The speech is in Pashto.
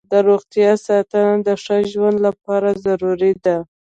د روغتیا ساتنه د ښه ژوند لپاره ضروري ده.